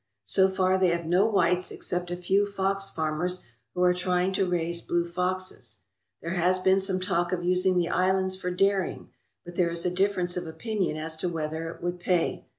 So far they have no whites except a few fox farmers who are trying to raise blue foxes. There has been some talk of using the islands for dairying, but there is a difference of opinion as to whether it would pay.